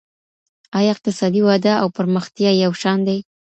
ایا اقتصادي وده او پرمختیا یو شان دي؟